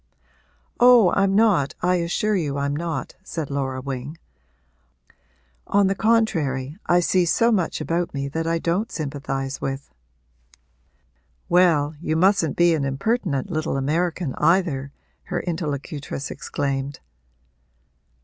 'Oh, I'm not I assure you I'm not,' said Laura Wing. 'On the contrary, I see so much about me that I don't sympathise with.' 'Well, you mustn't be an impertinent little American either!' her interlocutress exclaimed.